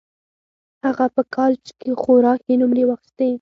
هغه په کالج کې خورا ښې نومرې واخيستې